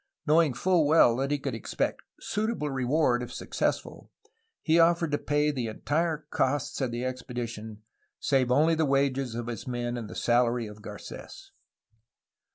Knowing full well that he could expect suitable reward if successful, he offered to pay the entire costs of the expedi tion, save only the wages of his men and the salary of Carets.